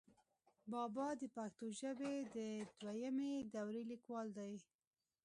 بابا دَپښتو ژبې دَدويمي دورې ليکوال دی،